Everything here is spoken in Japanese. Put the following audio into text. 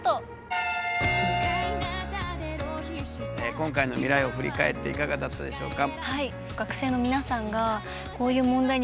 今回の「未来王」振り返っていかがだったでしょうか？